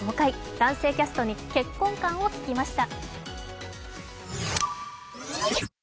男性キャストに結婚観を聞きました。